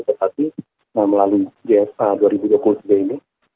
tetapi melalui gsk dua ribu dua puluh tiga ini